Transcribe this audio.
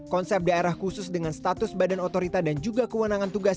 konsep daerah khusus dengan status badan otorita dan juga kewenangan tugas